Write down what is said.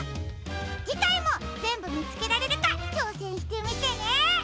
じかいもぜんぶみつけられるかちょうせんしてみてね！